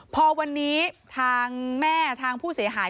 พอวันนี้ทางแม่ทางผู้เสียหาย